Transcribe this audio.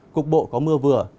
cục bộ có mưa vừa